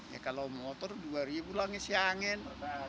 ya kalau motor dua ribu lah ngisi angin